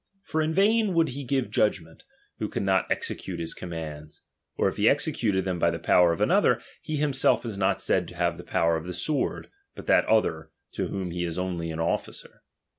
For in vain would he give judgment, who coidd not execute his commands ; or, if he executed them by the power of another, he himself is not said to have the power of the sword, but that other, to whom DOMINION. 77 I be is only an officer.